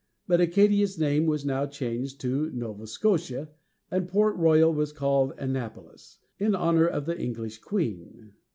But Acadia's name was now changed to Nova Scotia, and Port Royal was called Annapolis, in honor of the English queen.